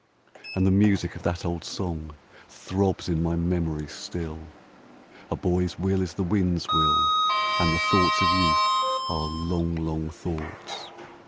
And the music of that old song Throbs in my memory still: "A boy's will is the wind's will, And the thoughts of youth are long, long thoughts."